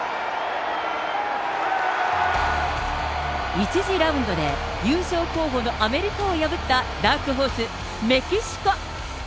１次ラウンドで優勝候補のアメリカを破ったダークホース、メキシコ。